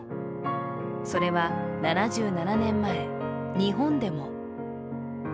それは７７年前、日本でも。